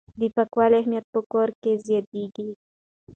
د پاکوالي اهمیت په کور کې زده کیږي.